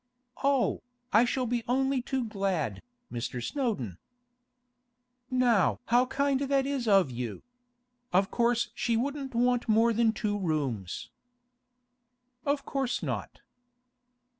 'Oh, I shall be only too glad, Mr. Snowdon!' 'Now how kind that is of you! Of course she wouldn't want more than two rooms.' 'Of course not.